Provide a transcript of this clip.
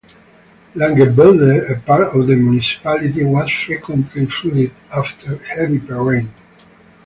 Langevelde, a part of the municipality, was frequently flooded after heavy rain.